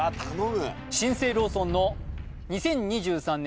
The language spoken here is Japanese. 新生ローソンの２０２３年